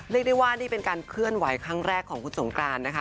เรียกได้ว่านี่เป็นการเคลื่อนไหวครั้งแรกของคุณสงกรานนะคะ